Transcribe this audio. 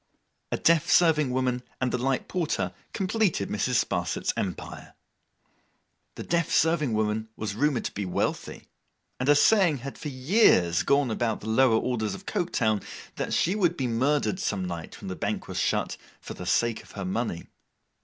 A deaf serving woman and the light porter completed Mrs. Sparsit's empire. The deaf serving woman was rumoured to be wealthy; and a saying had for years gone about among the lower orders of Coketown, that she would be murdered some night when the Bank was shut, for the sake of her money.